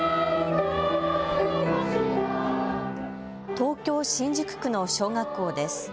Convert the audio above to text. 東京新宿区の小学校です。